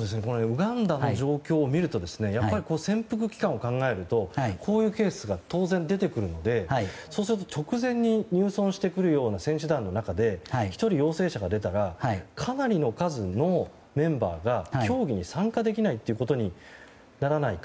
ウガンダの状況を見ると潜伏期間を考えるとこういうケースが当然出てくるのでそうすると直前に入村してくるような選手団の中で１人陽性者が出たらかなりの数のメンバーが競技に参加できないということにならないか。